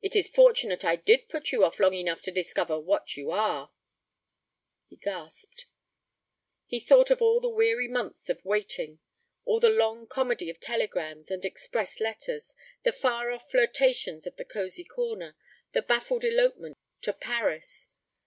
'It is fortunate I did put you off long enough to discover what you are.' He gasped. He thought of all the weary months of waiting, all the long comedy of telegrams and express letters, the far off flirtations of the cosy corner, the baffled elopement to Paris.